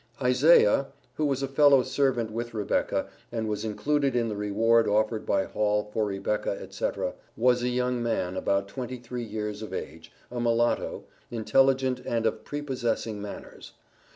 Isaiah, who was a fellow servant with Rebecca, and was included in the reward offered by Hall for Rebecca, etc., was a young man about twenty three years of age, a mulatto, intelligent and of prepossessing manners.